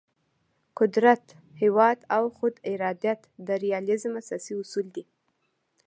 قدرت، هیواد او خود ارادیت د ریالیزم اساسي اصول دي.